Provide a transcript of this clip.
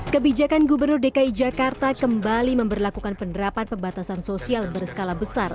kebijakan gubernur dki jakarta kembali memperlakukan penerapan pembatasan sosial berskala besar